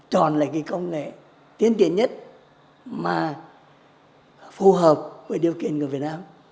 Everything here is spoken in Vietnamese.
chọn lại cái công nghệ tiến triển nhất mà phù hợp với điều kiện của việt nam